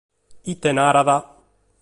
Ite narat?